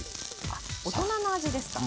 あ大人の味ですか。